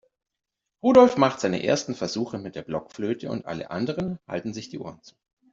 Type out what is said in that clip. Rudolf macht seine ersten Versuche mit der Blockflöte und alle anderen halten sich die Ohren zu.